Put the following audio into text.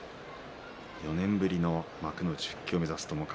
４年ぶりの幕内復帰を目指す友風。